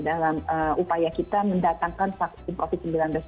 dalam upaya kita mendatangkan vaksin covid sembilan belas